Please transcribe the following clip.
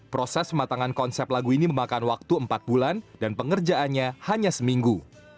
proses pematangan konsep lagu ini memakan waktu empat bulan dan pengerjaannya hanya seminggu